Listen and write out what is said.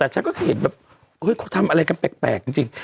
แต่ฉันก็เห็นแบบเฮ้ยเขาทำอะไรกันแปลกจริง